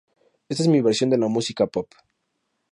Esta es mi versión de la música pop.